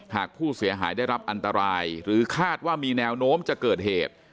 หากผู้เสียหายได้รับอันตรายหรือคาดว่ามีแนวโน้มจะเกิดเหตุ